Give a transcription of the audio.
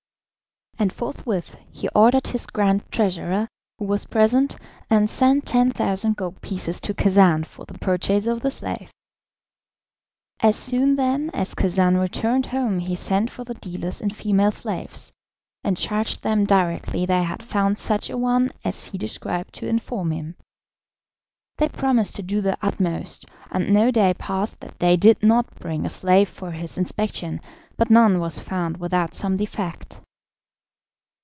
And forthwith he ordered his grand treasurer, who was present, to send 10,000 gold pieces to Khacan for the purchase of the slave. As soon, then, as Khacan returned home he sent for the dealers in female slaves, and charged them directly they had found such a one as he described to inform him. They promised to do their utmost, and no day passed that they did not bring a slave for his inspection but none was found without some defect.